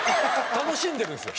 楽しんでるんですよ